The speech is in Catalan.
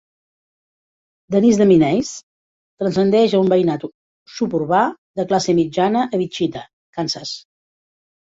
"Dennis the Menace" transcendeix a un veïnat suburbà de classe mitjana a Wichita, Kansas.